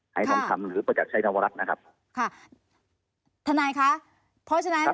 ไทยน้องทำหรือประจักษ์ไทยนวรัฐนะครับค่ะท่านายคะเพราะฉะนั้นครับผมครับ